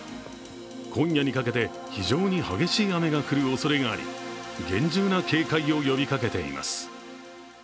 今夜にかけて非常に激しい雨が降るおそれがあり厳重な警戒を呼びかけています。